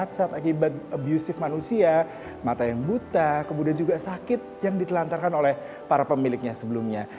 pada saat akibat abusive manusia mata yang buta kemudian juga sakit yang ditelantarkan oleh para pemiliknya sebelumnya